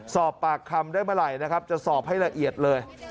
สอบปากคำได้เมื่อไหร่นะครับจะสอบให้ละเอียดเลย